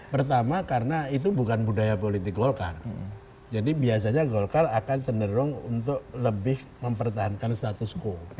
pertama karena itu bukan budaya politik golkar jadi biasanya golkar akan cenderung untuk lebih mempertahankan status quo